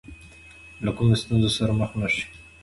له کومې ستونزې سره مخ نه شي.